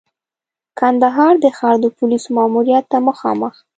کندهار د ښار د پولیسو ماموریت ته مخامخ.